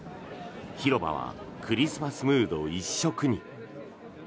広場はクリスマスムード一色に。